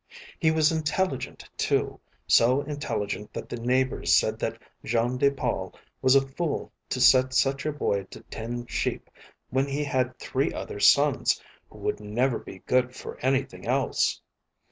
He was intelligent, too, so intelligent that the neighbors said that Jean de Paul was a fool to set such a boy to tend sheep when he had three other sons who would never be good for anything else.